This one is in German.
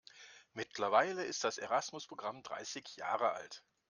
Mittlerweile ist das Erasmus-Programm dreißig Jahre alt.